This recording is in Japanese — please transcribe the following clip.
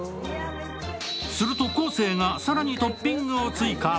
すると昴生が更にトッピングを追加。